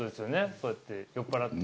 そうやって酔っぱらって。